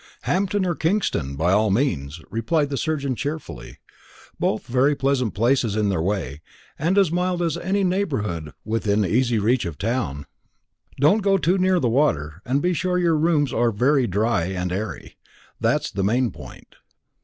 "Hampton or Kingston by all means," replied the surgeon cheerily. "Both very pleasant places in their way, and as mild as any neighbourhood within easy reach of town. Don't go too near the water, and be sure your rooms are dry and airy that's the main point.